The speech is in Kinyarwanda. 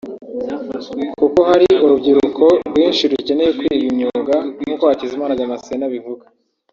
kuko hari urubyiruko rwinshi rukeneye kwiga imyuga nk’uko Hakizimana Damascene abivuga